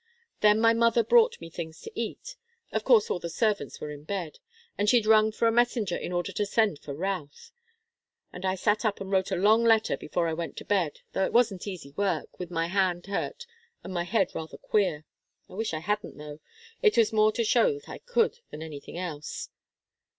Then my mother brought me things to eat of course all the servants were in bed, and she'd rung for a messenger in order to send for Routh. And I sat up and wrote a long letter before I went to bed, though it wasn't easy work, with my hand hurt and my head rather queer. I wish I hadn't, though it was more to show that I could, than anything else.